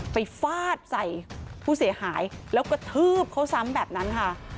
ฟาดใส่ผู้เสียหายแล้วกระทืบเขาซ้ำแบบนั้นค่ะ